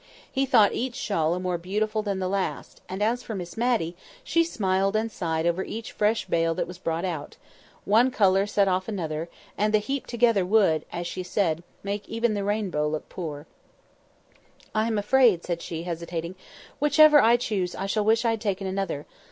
He thought each shawl more beautiful than the last; and, as for Miss Matty, she smiled and sighed over each fresh bale that was brought out; one colour set off another, and the heap together would, as she said, make even the rainbow look poor. "I am afraid," said she, hesitating, "Whichever I choose I shall wish I had taken another.